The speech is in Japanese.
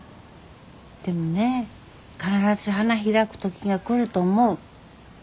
でもね必ず花開く時が来ると思う。